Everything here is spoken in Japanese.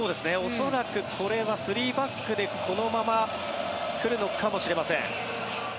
恐らく、これは３バックでこのまま来るのかもしれません。